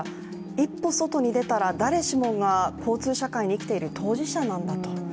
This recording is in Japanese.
一歩外に出たら誰しもが交通社会に生きている当事者なんだと。